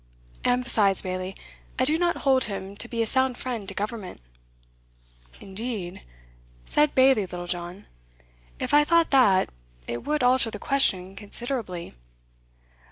And besides, Bailie, I do not hold him to be a sound friend to Government." "Indeed?" said Bailie Littlejohn; "if I thought that, it would alter the question considerably."